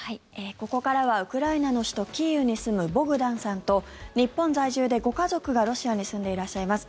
ここからはウクライナの首都キーウに住むボグダンさんと日本在住で、ご家族がロシアに住んでいらっしゃいます